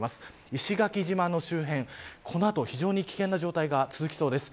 石垣島の周辺、この後、非常に危険な状態が続きそうです。